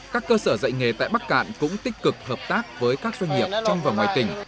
các cơ sở dạy nghề tại bắc cạn cũng tích cực hợp tác với các doanh nghiệp trong và ngoài tỉnh